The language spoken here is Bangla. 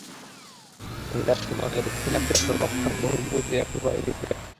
তিনি তার সময়কালে দক্ষিণ আফ্রিকার সর্বাপেক্ষা বহুমূখী ক্রীড়া প্রতিভার অধিকারী ছিলেন।